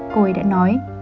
cô ấy đã nói